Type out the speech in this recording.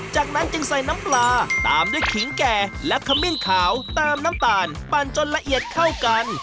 จากนั้นจึงใส่น้ำปลาตามด้วยขิงแก่และขมิ้นขาวตามน้ำตาลปั่นจนละเอียดเข้ากัน